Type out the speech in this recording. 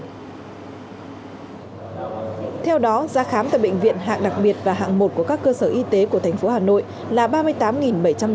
theo đó giá khám tại bệnh viện hạng đặc biệt và hạng một của các cơ sở y tế của thành phố hà nội là